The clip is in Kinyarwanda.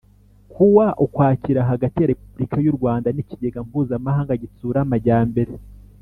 kuwa Ukwakira hagati ya Repubulika y u Rwanda n Ikigega Mpuzamahanga Gitsura Amajyambere